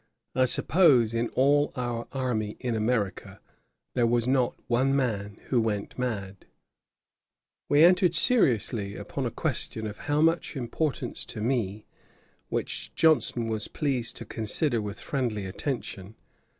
I suppose in all our army in America there was not one man who went mad.' We entered seriously upon a question of much importance to me, which Johnson was pleased to consider with friendly attention.